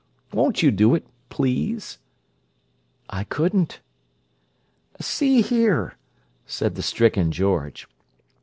Won't you do it, please?" "I couldn't." "See here!" said the stricken George.